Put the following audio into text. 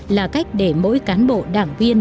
là cách để mỗi cán bộ đảng viên